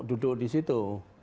duduk di situ